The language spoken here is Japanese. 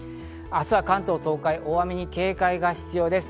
明日は関東、東海、大雨に警戒が必要です。